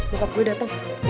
bokap gue dateng